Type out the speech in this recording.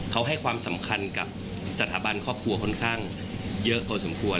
เขาให้ความสำคัญกับสถาบันครอบครัวค่อนข้างเยอะพอสมควร